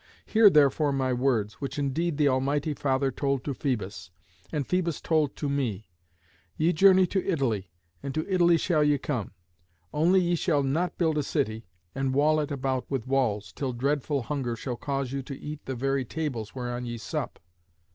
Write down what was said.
Hear, therefore, my words, which indeed the almighty Father told to Phœbus, and Phœbus told to me. Ye journey to Italy, and to Italy shall ye come. Only ye shall not build a city, and wall it about with walls, till dreadful hunger shall cause you to eat the very tables whereon ye sup."